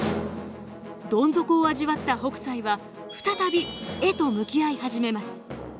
どん底を味わった北斎は再び絵と向き合い始めます。